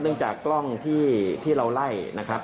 เนื่องจากกล้องที่เราไล่นะครับ